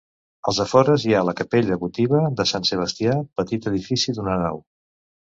Als afores hi ha la capella votiva de Sant Sebastià, petit edifici d'una nau.